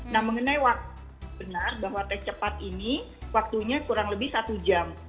nah mengenai waktu benar bahwa tes cepat ini waktunya kurang lebih satu jam